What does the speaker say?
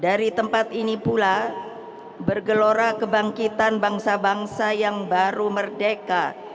dari tempat ini pula bergelora kebangkitan bangsa bangsa yang baru merdeka